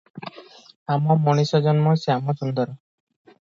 ଆମ ମଣିଷଜନ୍ମ ଶ୍ୟାମସୁନ୍ଦର ।